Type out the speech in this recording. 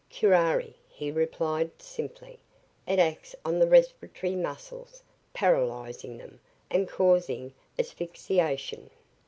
"Curari," he replied simply. "It acts on the respiratory muscles, paralyzing them, and causing asphyxiation."